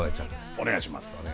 お願いします。